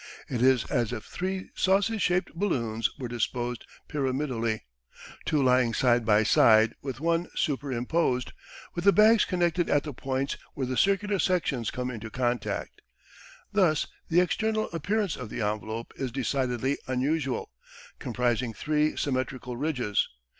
It is as if three sausage shaped balloons were disposed pyramidally two lying side by side with one super imposed, with the bags connected at the points where the circular sections come into contact. Thus the external appearance of the envelope is decidedly unusual, comprising three symmetrical ridges.